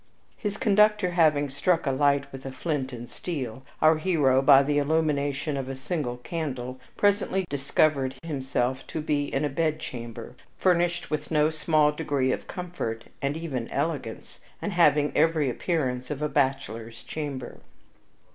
His conductor having struck a light with a flint and steel, our hero by the illumination of a single candle presently discovered himself to be in a bedchamber furnished with no small degree of comfort, and even elegance, and having every appearance of a bachelor's chamber.